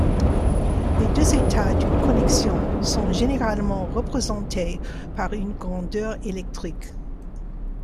Les deux états d'une connexion sont généralement représentés par une grandeur électrique.